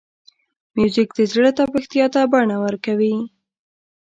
موزیک د زړه تپښتا ته بڼه ورکوي.